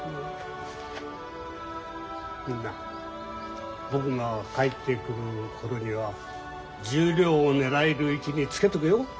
みんな僕が帰ってくる頃には十両を狙える位置につけとけよ。